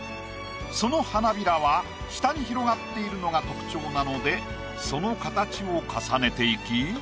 その花びらは下に広がっているのが特徴なのでその形を重ねていき。